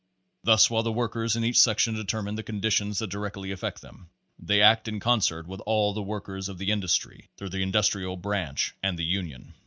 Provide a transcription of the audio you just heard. Thus, while the workers in each section determine the conditions that directly affect them, they act in concert with all the workers of the industry through the In dustrial Branch and the Union.